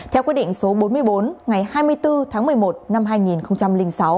theo quyết định số bốn mươi bốn ngày hai mươi bốn tháng một mươi một năm hai nghìn sáu